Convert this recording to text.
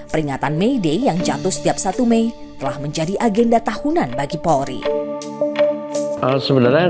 peringatan may day yang jatuh setiap satu mei telah menjadi agenda tahunan bagi polri sebenarnya